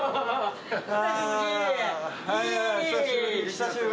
久しぶり。